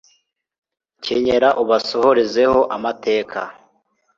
kenyera ubasohorezeho amateka